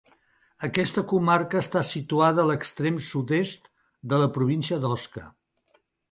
Aquesta comarca està situada a l'extrem sud-est de la província d'Osca.